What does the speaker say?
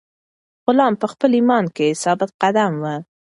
غلام په خپل ایمان کې ثابت قدم و.